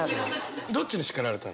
どっちに叱られたの？